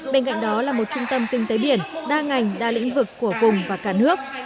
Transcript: bên cạnh đó là một trung tâm kinh tế biển đa ngành đa lĩnh vực của vùng và cả nước